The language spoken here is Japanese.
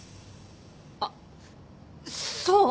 あっそう！